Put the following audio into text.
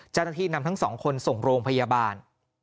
เจ้าหน้าที่นำทั้งสองคนส่งโรงพยาบาล